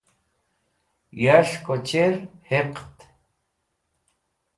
Yas̃h ko chir hiqẽt?